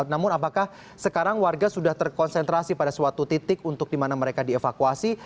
namun apakah sekarang warga sudah terkonsentrasi pada suatu titik untuk di mana mereka dievakuasi